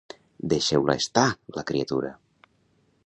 —Deixeu-la estar, la criatura!